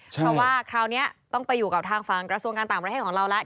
เพราะว่าคราวนี้ต้องไปอยู่กับทางฝั่งกระทรวงการต่างประเทศของเราแล้ว